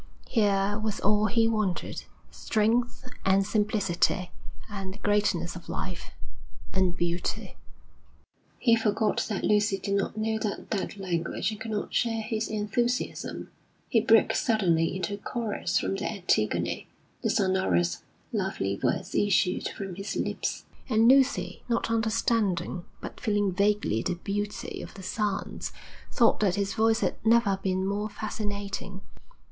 Here was all he wanted, strength and simplicity, and the greatness of life, and beauty. He forgot that Lucy did not know that dead language and could not share his enthusiasm. He broke suddenly into a chorus from the Antigone; the sonorous, lovely words issued from his lips, and Lucy, not understanding, but feeling vaguely the beauty of the sounds, thought that his voice had never been more fascinating.